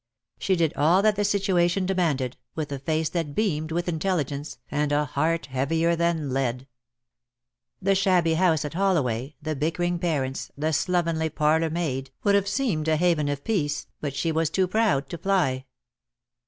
She did all that the situation demanded, with a face that beamed with intelligence, and a heart heavier than lead. The shabby house at Holloway, the bickering parents, the slovenly parlour maid, would have 13* ig6 DEAD LOVE HAS CHAINS. seemed a haven of peace, but she was too proud to fly.